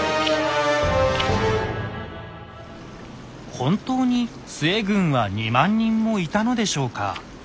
本当に陶軍は２万人もいたのでしょうか。